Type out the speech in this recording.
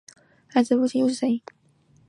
孩子的父亲又是谁？